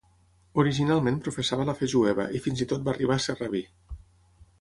Originalment professava la fe jueva i fins i tot va arribar a ser rabí.